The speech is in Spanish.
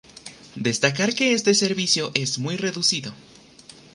Destacar que este servicio es muy reducido.